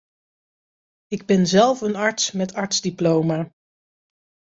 Ik ben zelf een arts met artsdiploma.